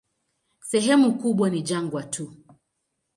Sehemu kubwa ni jangwa tu.